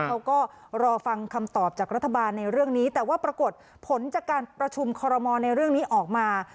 เขาก็รอฟังคำตอบจากรัฐบาลในเรื่องนี้แต่ว่าปรากฏผลจากการประชุมคอรมอลในเรื่องนี้ออกมา